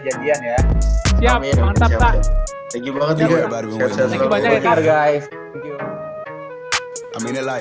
janjian ya siap mantap kak